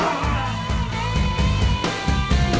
bakal cari terninggung dan atur